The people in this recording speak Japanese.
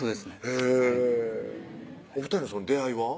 へぇお２人の出会いは？